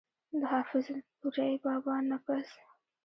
د حافظ الپورۍ بابا نه پس